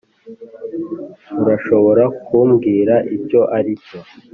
urashobora kumbwira icyo aricyo?